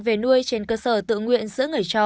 về nuôi trên cơ sở tự nguyện giữa người cho